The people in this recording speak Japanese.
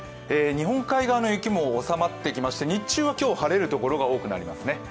日本海側の雪も収まってきまして日中は今日、晴れる所が多くなりそうですね。